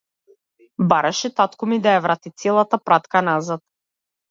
Бараше татко ми ја врати целата пратка назад.